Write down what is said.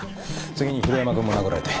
次に広山くんも殴られて。